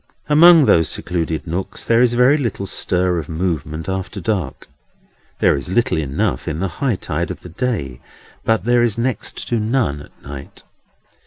Among those secluded nooks there is very little stir or movement after dark. There is little enough in the high tide of the day, but there is next to none at night.